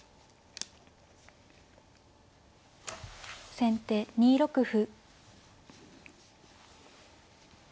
先手２六歩。